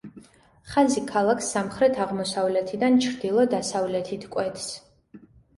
ხაზი ქალაქს სამხრეთ-აღმოსავლეთიდან ჩრდილო-დასავლეთით კვეთს.